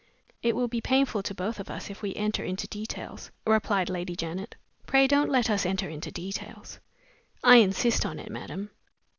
"It will be painful to both of us if we enter into details," replied Lady Janet. "Pray don't let us enter into details." "I insist on it, madam."